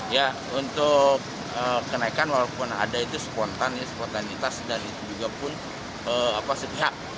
ya untuk kenaikan walaupun ada itu spontan ya spontanitas dan itu juga pun sepihak